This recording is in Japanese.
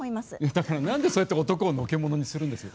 だから、何で、そうやって男をのけ者にするんです？